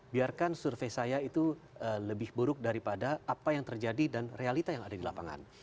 biarkan survei saya itu lebih buruk daripada apa yang terjadi dan realita yang ada di lapangan